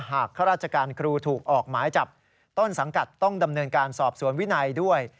ข้าราชการครูถูกออกหมายจับต้นสังกัดต้องดำเนินการสอบสวนวินัยด้วย